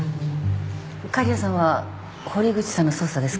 狩矢さんは堀口さんの捜査ですか？